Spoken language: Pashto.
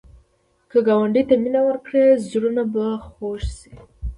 که ګاونډي ته مینه ورکړې، زړونه به خوږ شي